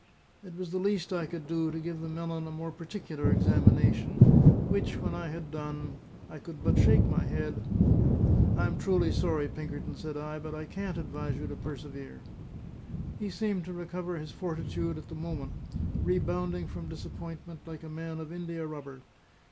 It was the least I could do to give the melon a more particular examination; which, when I had done, I could but shake my head. "I am truly sorry, Pinkerton," said I, "but I can't advise you to persevere." He seemed to recover his fortitude at the moment, rebounding from disappointment like a man of india rubber.